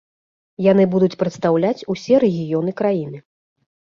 Яны будуць прадстаўляць усе рэгіёны краіны.